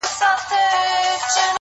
مسافرۍ کي دي ايره سولم راټول مي کړي څوک،